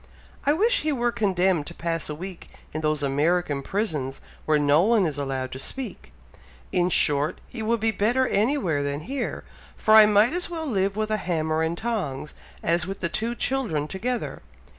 I wish he were condemned to pass a week in those American prisons where no one is allowed to speak. In short, he would be better anywhere than here, for I might as well live with a hammer and tongs, as with the two children together.